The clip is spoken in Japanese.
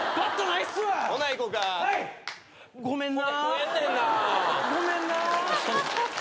ごめんな。